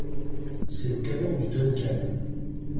C’est le canon du Duncan !